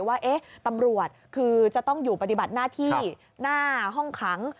ว่าตำรวจคือจะต้องอยู่ปฏิบัติหน้าที่หน้าห้องขัง